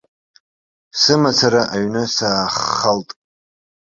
Сымацара аҩны сааххалт.